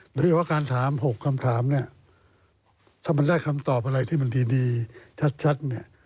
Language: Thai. หรือว่าการถาม๖คำถามถ้ามันได้คำตอบอะไรที่มันดีชัด